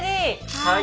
はい。